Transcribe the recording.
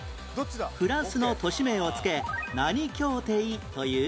フランスの都市名を付け何協定という？